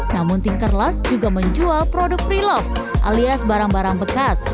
namun tinkerlust juga menjual produk prelove alias barang barang bekas